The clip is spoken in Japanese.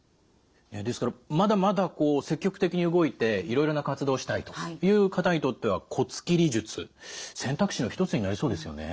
ですからまだまだ積極的に動いていろいろな活動をしたいという方にとっては骨切り術選択肢の一つになりそうですよね。